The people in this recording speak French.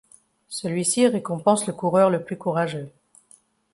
Celui-ci récompense le coureur le plus courageux.